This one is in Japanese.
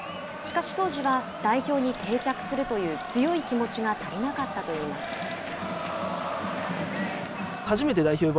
しかし、当時は代表に定着するという強い気持ちが足りなかったといいます。